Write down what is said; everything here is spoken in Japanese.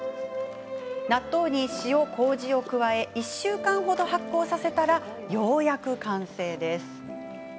納豆に塩、こうじを加え１週間程、発酵させたらようやく完成です。